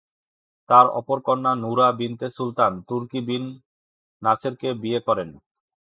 তার অপর কন্যা নূরা বিনতে সুলতান তুর্কি বিন নাসেরকে বিয়ে করেন।